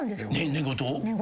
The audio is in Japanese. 寝言。